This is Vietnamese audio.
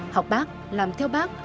học bác làm theo bác